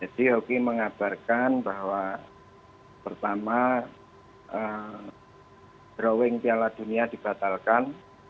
jadi hoki mengabarkan bahwa pertama drawing piala dunia dibatalkan